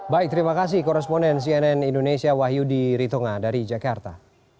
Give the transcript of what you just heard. baik terima kasih koresponden cnn indonesia wahyudi ritonga dari jakarta